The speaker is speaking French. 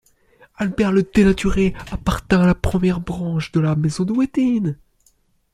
Albert le Dénaturé appartint à la première branche de la Maison de Wettin.